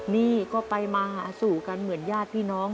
นี่ก็ไปมาหาสู่กันเหมือนญาติพี่น้อง